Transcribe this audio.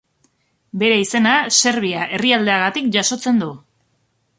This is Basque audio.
Bere izena Serbia herrialdeagatik jasotzen du.